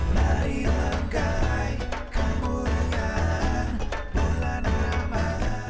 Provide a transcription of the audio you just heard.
lari langkai kemuliaan bulan ramadhan